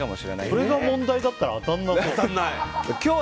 それが問題だったら当たらなそう。